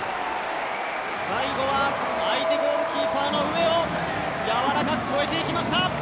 最後は相手ゴールキーパーの上をやわらかく越えていきました。